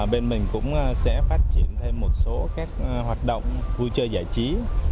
bên mình cũng sẽ phát triển thêm một số các hoạt động vui chơi giải trí